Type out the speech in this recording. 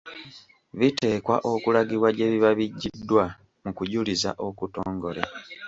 Biteekwa okulagibwa gye biba biggiddwa mu kujuliza okutongole.